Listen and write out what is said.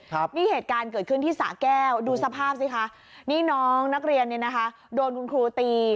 ครับนี่เหตุการณ์เกิดขึ้นที่สะแก้วดูสภาพสิคะนี่น้องนักเรียนเนี่ยนะคะโดนคุณครูตี